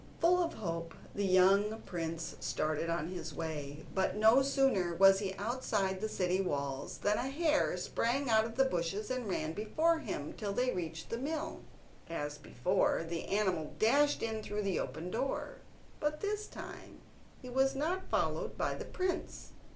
Full of hope the young prince started on his way, but no sooner was he outside the city walls than a hare sprang out of the bushes and ran before him, till they reached the mill. As before, the animal dashed in through the open door, but this time he was not followed by the prince.